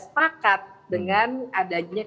setakat dengan adanya